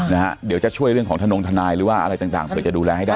นะฮะเดี๋ยวจะช่วยเรื่องของธนงทนายหรือว่าอะไรต่างต่างเผื่อจะดูแลให้ได้